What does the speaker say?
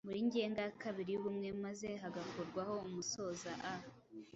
muri ngenga ya kabiri y’ubumwe maze hagakurwaho umusoza “a”.